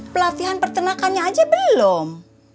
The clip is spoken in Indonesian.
pelatihan peternakannya aja belum